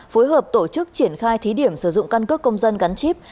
phối hợp tổ chức triển khai thí điểm sử dụng căn cước công dân gắn chip